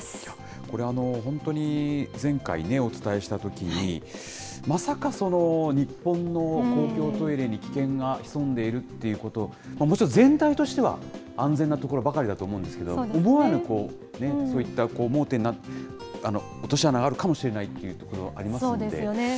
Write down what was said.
これ、本当に前回ね、お伝えしたときに、まさか日本の公共トイレに危険が潜んでいるということ、もちろん、全体としては安全な所ばかりだと思うんですけど、思わぬそういった盲点、落とし穴があるかもしれないということもそうですよね。